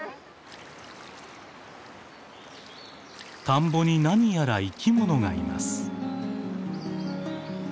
田んぼに何やら生きものがいます。